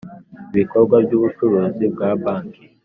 Ibikorwa by ubucuruzi bwa banki